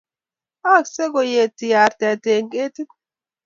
akse koiyiti arte eng' kerti